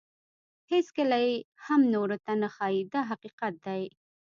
هیڅکله یې هم نورو ته نه ښایي دا حقیقت دی.